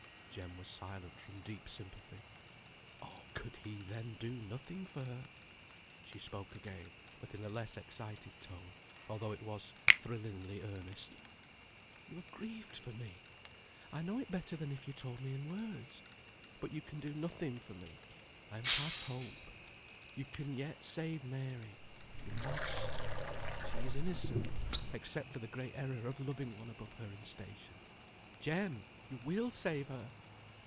Jem was silent from deep sympathy. Oh! could he, then, do nothing for her! She spoke again, but in a less excited tone, although it was thrillingly earnest. "You are grieved for me! I know it better than if you told me in words. But you can do nothing for me. I am past hope. You can yet save Mary. You must. She is innocent, except for the great error of loving one above her in station. Jem! you will save her?"